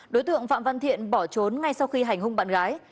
đối tượng phạm văn thiện bỏ trốn ngay sau khi hành hung bạn gái